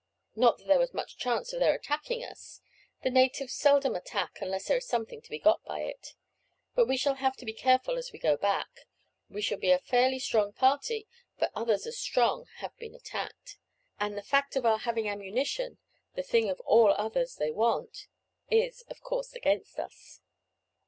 Not that there was much chance of their attacking us. The natives seldom attack unless there is something to be got by it; but we shall have to be careful as we go back. We shall be a fairly strong party, but others as strong have been attacked; and the fact of our having ammunition the thing of all others they want is, of course, against us."